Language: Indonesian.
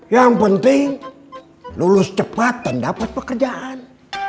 yang penting lulus cepat dan dapat pekerjaan